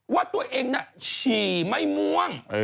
ว่าตัวเองน่ะฉี่ไม่ม่วง